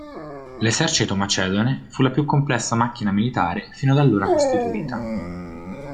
L'esercito macedone fu la più complessa macchina militare fino ad allora costituita.